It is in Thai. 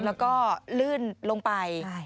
แล้วก็ลื่นลงไป